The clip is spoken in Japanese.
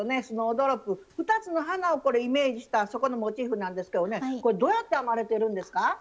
スノードロップ２つの花をこれイメージした底のモチーフなんですけどねこれどうやって編まれてるんですか？